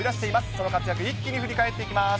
その活躍、一気に振り返っていきます。